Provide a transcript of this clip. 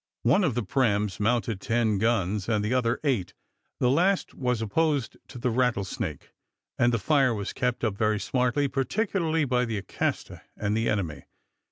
One of the praams mounted ten guns, and the other eight. The last was opposed to the Rattlesnake, and the fire was kept up very smartly, particularly by the Acasta and the enemy.